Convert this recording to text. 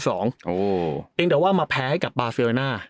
เองเดี๋ยวว่ามาแพ้กับบาร์เซอร์น่า